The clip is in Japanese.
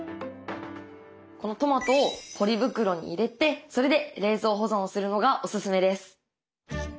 このトマトをポリ袋に入れてそれで冷蔵保存をするのがおすすめです。